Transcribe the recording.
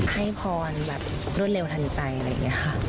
ให้พรแบบรวดเร็วทันใจอะไรอย่างนี้ค่ะ